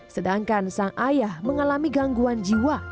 sedangkan sang ayah mengalami gangguan jiwa